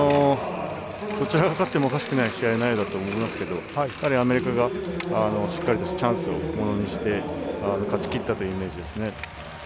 どちらが勝ってもおかしくない試合内容だと思いますけれどもアメリカがしっかりとチャンスをものにして勝ちきったというイメージですね。